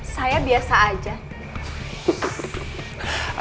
saya biasa aja